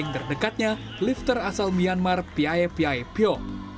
saing terdekatnya lifter asal myanmar piae piae pyo